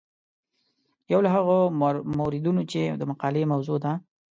یو له هغو موردونو چې د مقالې موضوع ده.